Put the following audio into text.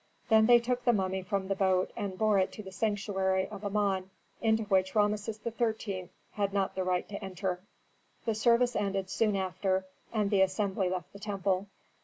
Then they took the mummy from the boat and bore it to the sanctuary of Amon into which Rameses XIII. had not the right to enter. The service ended soon after and the assembly left the temple.